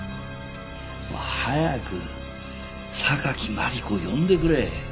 早く榊マリコを呼んでくれ。